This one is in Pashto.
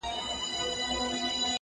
خره یې وروڼه وه آسونه یې خپلوان وه.!